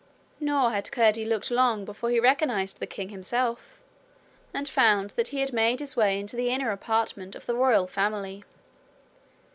Nor had Curdie looked long before he recognized the king himself, and found that he had made his way into the inner apartment of the royal family.